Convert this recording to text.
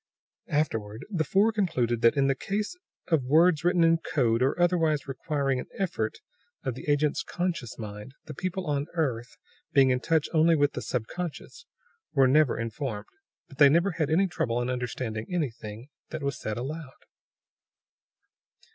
(Afterward the four concluded that, in the case of words written in code or otherwise requiring an effort of the agent's conscious mind, the people on the earth, being in touch only with the subconscious, were never informed. But they never had any trouble in understanding anything that was said aloud.)